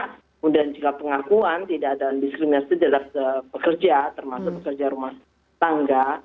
kemudian jika pengakuan tidak ada diskriminasi dalam pekerja termasuk pekerja rumah tangga